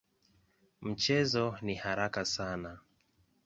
Mchezo ni haraka sana.